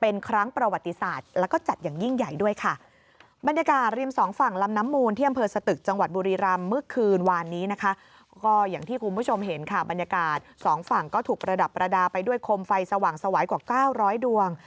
ปรดาไปด้วยคมไฟสว่างสวายกว่า๙๐๐ดวง